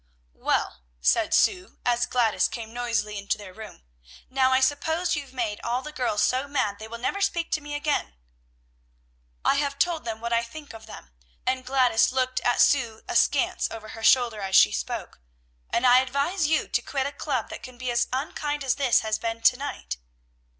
"Well," said Sue, as Gladys came noisily into their room, "now I suppose you've made all the girls so mad they will never speak to me again." "I have told them what I think of them," and Gladys looked at Sue askance over her shoulder as she spoke, "and I advise you to quit a club that can be as unkind as this has been to night."